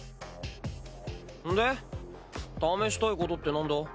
んで試したいことってなんだ？